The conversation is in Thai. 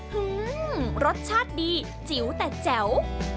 หื้มมมมรสชาติดีจิ๋วแต่แจ๋ว